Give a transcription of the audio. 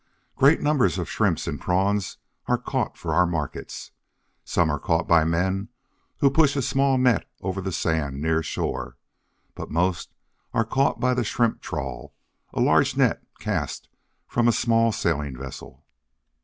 Great numbers of Shrimps and Prawns are caught for our markets. Some are caught by men who push a small net over the sands near shore, but most are caught by the shrimp trawl, a large net cast from a small sailing vessel.